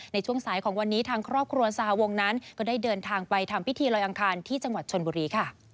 ในช่วงสายของวันนี้ทางครอบครัวสหวงนั้นก็ได้เดินทางไปทำพิธีลอยอังคารที่จังหวัดชนบุรีค่ะ